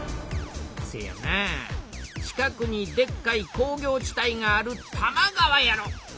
せやなぁ近くにでっかい工業地帯がある多摩川やろ。